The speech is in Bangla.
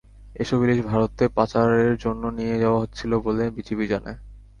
এসব ইলিশ ভারতে পাচারের জন্য নিয়ে যাওয়া হচ্ছিল বলে বিজিবি জানায়।